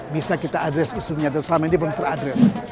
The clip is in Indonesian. bisa kita address isunya dan selama ini belum ter address